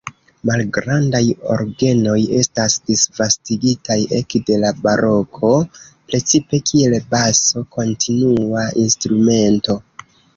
Malgrandaj orgenoj estas disvastigitaj ekde la baroko precipe kiel baso-kontinua-instrumento.